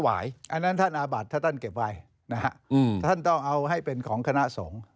อันนั้นท่านอาบัติถ้าท่านเก็บไว้นะฮะท่านต้องเอาให้เป็นของคณะสงฆ์